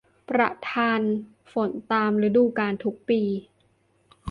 ประทานฝนตามฤดูกาลทุกปี